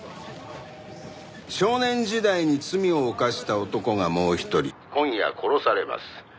「少年時代に罪を犯した男がもう１人今夜殺されます」